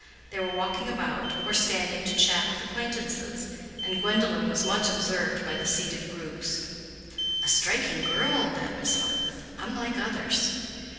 They were walking about or standing to chat with acquaintances, and Gwendolen was much observed by the seated groups. "A striking girl—that Miss Harleth—unlike others."